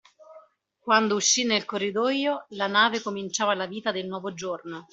Quando uscí nel corridoio, la nave cominciava la vita del nuovo giorno.